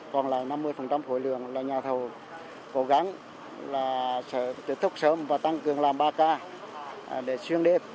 còn lại năm mươi khối lượng là nhà thầu cố gắng là sẽ kết thúc sớm và tăng cường làm ba k để xuyên đêm